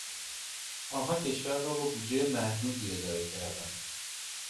آنها کشور را با بودجهی محدودی اداره کردند.